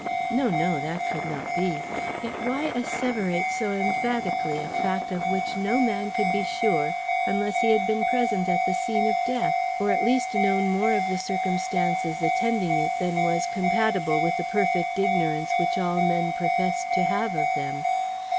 No, no, that could not be; yet why asseverate so emphatically a fact of which no man could be sure unless he had been present at the scene of death, or at least known more of the circumstances attending it than was compatible with the perfect ignorance which all men professed to have of them.